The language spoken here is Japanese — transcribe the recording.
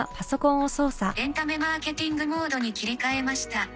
「エンタメマーケティングモードに切り替えました」